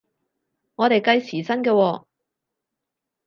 我哋計時薪嘅喎？